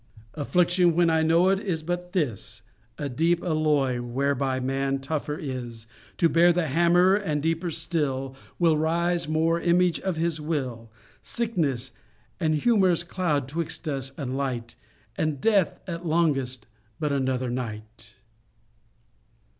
Affliction, when I know it, is but this, A deep alloy whereby man tougher is To bear the hammer; and the deeper still, We still arise more image of His will; Sickness, an humorous cloud 'twixt us and light; And death, at longest, but another night."